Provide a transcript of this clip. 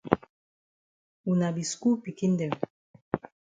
Wuna be skul pikin dem.